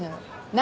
何？